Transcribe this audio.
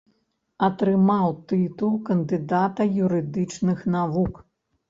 Атрымаў тытул кандыдата юрыдычных навук.